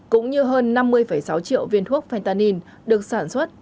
cũng như hơn năm mươi sáu triệu viên thuốc fentain được sản xuất